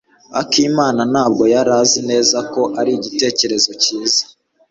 Akimana ntabwo yari azi neza ko ari igitekerezo cyiza.